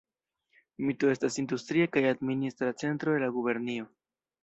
Mito estas industria kaj administra centro de la gubernio.